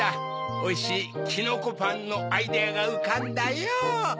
おいしいきのこパンのアイデアがうかんだよ。